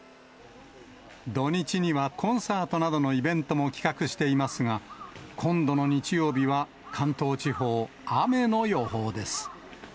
土日には、コンサートなどのイベントも企画していますが、今度の日曜日は関東地方、雨の予報です。